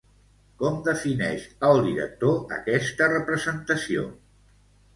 Com defineix el director aquesta representació?